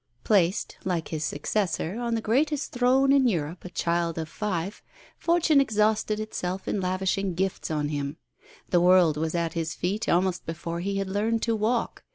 Placed, like his successor, on the greatest throne in Europe, a child of five, fortune exhausted itself in lavishing gifts on him. The world was at his feet almost before he had learned to walk.